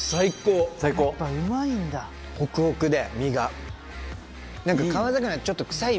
ホクホクで身が。